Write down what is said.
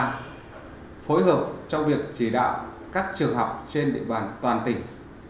và phối hợp trong việc chỉ đạo các trường học trên địa bàn toàn tỉnh